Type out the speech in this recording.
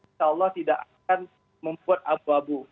insya allah tidak akan membuat abu abu